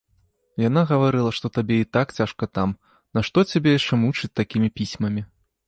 Яна гаварыла, што табе і так цяжка там, нашто цябе яшчэ мучыць такімі пісьмамі.